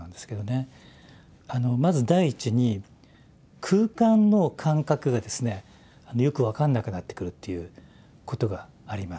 まず第一に空間の感覚がですねよく分かんなくなってくるっていうことがあります。